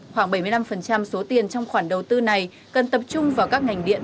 khoảng bảy mươi năm số tiền trong khoản đầu tư này cần tập trung vào các ngành điện